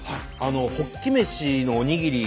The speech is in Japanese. ホッキ飯のおにぎり。